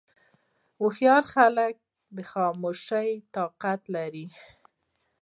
هوښیار خلک د خاموشۍ طاقت لري.